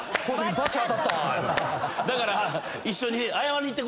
だから。